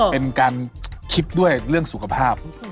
เป็นการคิดด้วยเรื่องสุขภาพ